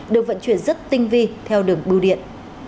được vận chuyển rất tinh vi theo đường bưu điện